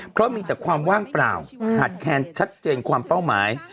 เพราะมีแต่ความว่างเปล่าขาดแคนชัดเจนความเป้าหมาย